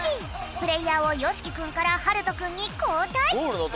プレーヤーをよしきくんからはるとくんにこうたい。